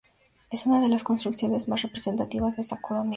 Es una de las construcciones más representativas de esta Colonia.